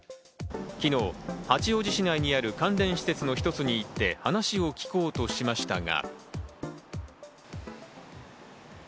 昨日、八王子市内にある関連施設の一つに行って、話を聞こうとしましたが。